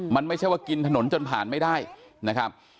มันไม่ใช่ว่ากินถนนจนผ่านไม่ได้นะครับ